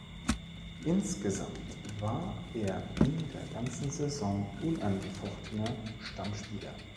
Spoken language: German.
Insgesamt war er in der ganzen Saison unangefochtener Stammspieler.